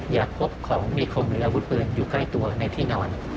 อยากพบของมีคมหรืออาวุธปืนอยู่ใกล้ตัวในที่นอน